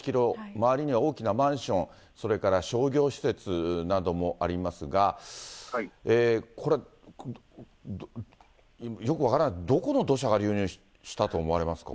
周りには大きなマンション、それから商業施設などもありますが、これはよく分からない、どこの土砂が流入したと思われますか。